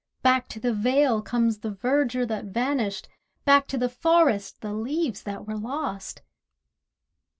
Back to the vale comes the verdure that vanished, Back to the forest the leaves that were lost.